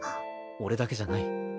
俺だけじゃない。